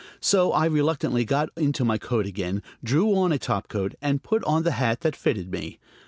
So I reluctantly got into my coat again, drew on a topcoat, and put on the hat that fitted me.